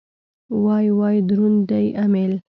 وای وای دروند دی امېل.